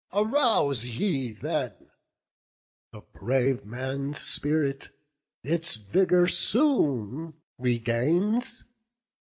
Arouse ye then! A brave man's spirit its vigour soon regains.